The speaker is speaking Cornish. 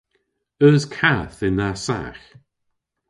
Eus kath yn dha sagh?